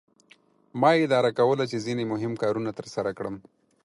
ما اداره کوله چې ځینې مهم کارونه ترسره کړم.